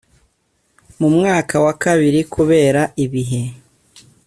mu mwaka wa kabiri kubera ibihe